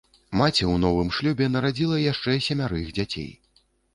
Маці ў новым шлюбе нарадзіла яшчэ семярых дзяцей.